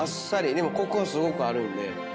でもコクはすごくあるんで。